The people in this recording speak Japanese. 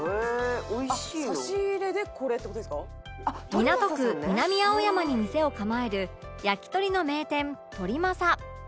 港区南青山に店を構える焼き鳥の名店鳥政